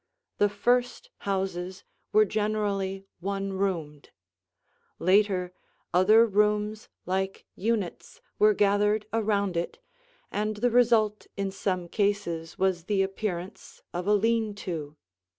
The first houses were generally one roomed; later, other rooms like units were gathered around it, and the result in some cases was the appearance of a lean to.